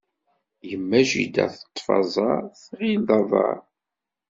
Imma jidda teṭṭef aẓaṛ, tɣil d aḍaṛ.